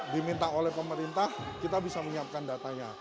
diminta oleh pemerintah kita bisa menyiapkan datanya